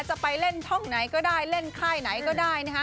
จะไปเล่นท่องไหนก็ได้เล่นค่ายไหนก็ได้นะฮะ